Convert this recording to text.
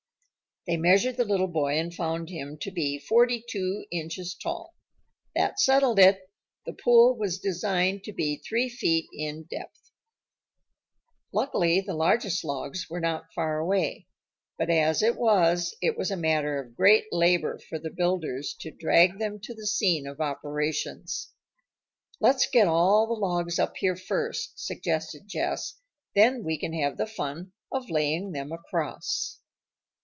They measured the little boy and found him to be forty two inches tall. That settled it; the pool was designed to be three feet in depth. Luckily the largest logs were not far away; but as it was, it was a matter of great labor for the builders to drag them to the scene of operations. "Let's get all the logs up here first," suggested Jess. "Then we can have the fun of laying them across."